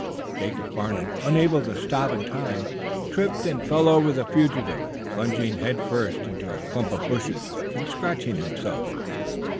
Jacob Farnum, unable to stop in time, tripped and fell over the fugitive, plunging, head first, into a clump of bushes and scratching himself.